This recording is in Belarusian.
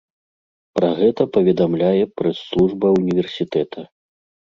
Пра гэта паведамляе прэс-служба ўніверсітэта.